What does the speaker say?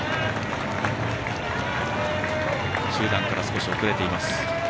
集団から少し遅れています。